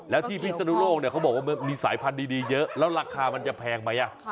แล้วที่พิศนุโลกเนี่ยเขาบอกว่ามีสายพันธุ์ดีเยอะแล้วราคามันจะแพงไหม